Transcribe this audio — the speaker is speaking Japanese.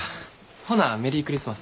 ほなメリークリスマス。